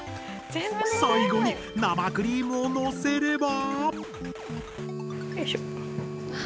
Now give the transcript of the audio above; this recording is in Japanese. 最後に生クリームをのせれば。